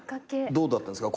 どうだったんですか？